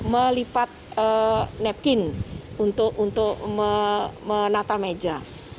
melipat nepkin untuk menata meja